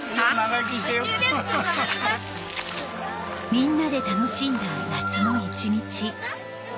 みんなで楽しんだ夏の一日。